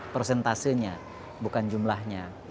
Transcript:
prosentasenya bukan jumlahnya